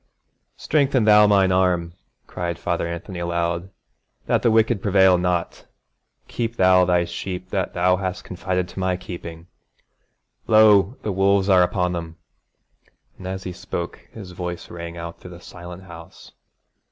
'Strengthen thou mine arm,' cried Father Anthony aloud, 'that the wicked prevail not! Keep thou thy sheep that thou hast confided to my keeping. Lo! the wolves are upon them!' and as he spoke his voice rang out through the silent house.